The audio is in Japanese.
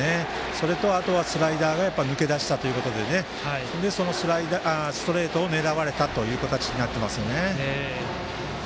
それと、あとはスライダーが抜け出したということでそして、そのストレートを狙われた形になっていますね。